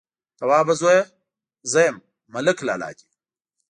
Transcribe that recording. _توابه زويه! زه يم، ملک لالا دې.